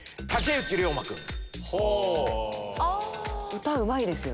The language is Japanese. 歌うまいですよね。